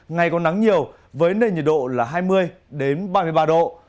ngày có nắng nhiều với nền nhiệt độ là hai mươi ba mươi ba độ